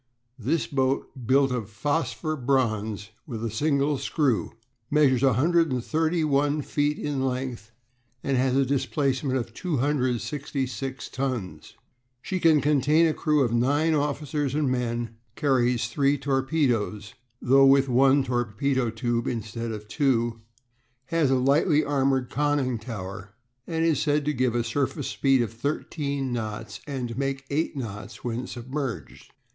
This boat, built of phosphor bronze, with a single screw, measures 131 feet in length and has a displacement of 266 tons; she can contain a crew of nine officers and men, carries three torpedoes though with one torpedo tube instead of two has a lightly armoured conning tower, and is said to give a surface speed of thirteen knots and to make eight knots when submerged.